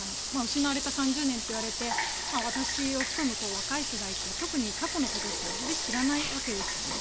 失われた３０年といわれて私を含む若い世代って特に過去のことは全然知らないわけですよね。